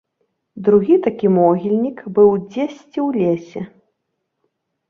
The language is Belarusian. Другі такі могільнік быў дзесьці ў лесе.